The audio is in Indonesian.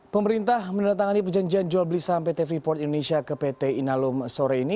pemerintah menandatangani perjanjian jual beli saham pt freeport indonesia ke pt inalum sore ini